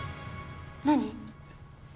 何？